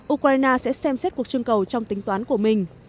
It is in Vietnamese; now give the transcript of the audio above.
ukraine sẽ xem xét cuộc trưng cầu trong tính toán của mình